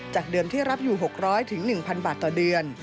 เดิมที่รับอยู่๖๐๐๑๐๐บาทต่อเดือน